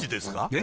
え？